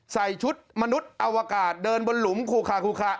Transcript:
ใส่ชุดมนุษย์อวกาศเดินบนหลุมคูคาคูคา